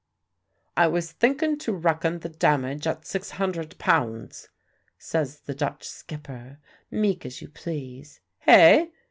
"I was thinkin' to reckon the damage at six hundred pounds," says the Dutch skipper, meek as you please. "Hey?"